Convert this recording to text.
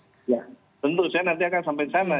ya tentu saya nanti akan sampai di sana